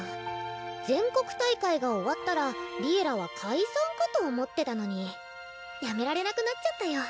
全国大会が終わったら「Ｌｉｅｌｌａ！」は解散かと思ってたのにやめられなくなっちゃったよ。